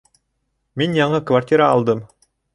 Мин яңы квартира алдым